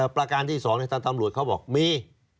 ประการที่สองเนี่ยทางตำรวจเขาบอกมี